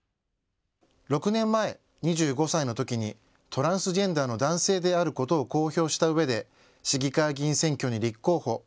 ６年前、２５歳のときにトランスジェンダーの男性であることを公表したうえで市議会議員選挙に立候補。